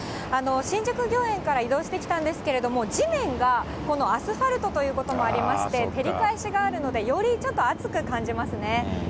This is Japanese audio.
新宿御苑から移動してきたんですけれども、地面がアスファルトということもありまして、照り返しがあるので、よりちょっと暑く感じますね。